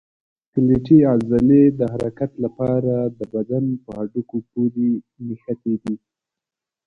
سکلیټي عضلې د حرکت لپاره د بدن په هډوکو پورې نښتي دي.